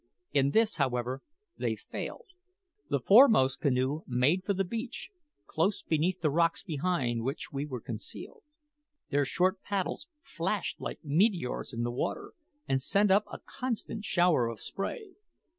In this, however, they failed. The foremost canoe made for the beach close beneath the rocks behind which we were concealed. Their short paddles flashed like meteors in the water, and sent up a constant shower of spray.